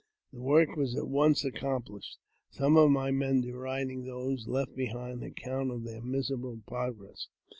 The work was at once accom 'plished, some of my men deriding those left behind on account of their miserable progress.